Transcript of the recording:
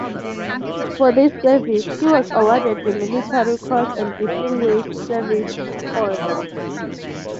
For this service, he was awarded the Military Cross and Distinguished Service Order.